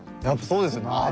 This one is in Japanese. やっぱそうですよね。